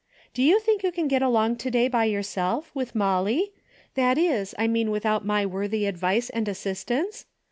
Do you think you can get along to day by yourself, with Molly? That is, I mean without my worthy advice and assistance